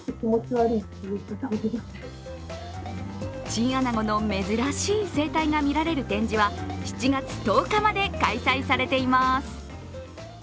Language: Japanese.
チンアナゴの珍しい生態が見られる展示は７月１０日まで開催されています。